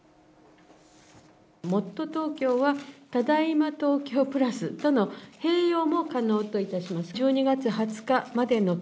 もっとＴｏｋｙｏは、ただいま東京プラスとの併用も可能といたします。